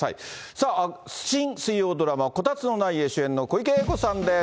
さあ、新水曜ドラマ、コタツのない家、主演の小池栄子さんです。